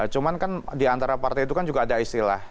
cuman kan diantara partai itu kan juga ada istilah